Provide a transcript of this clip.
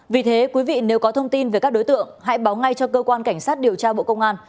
vì thế quý vị nếu có thông tin về các đối tượng hãy báo ngay cho cơ quan cảnh sát điều tra bộ công an